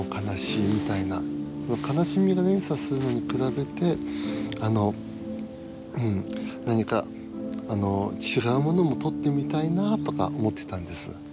悲しみが連鎖するのに比べてあのうん何かあの違うものも撮ってみたいなとか思ってたんです。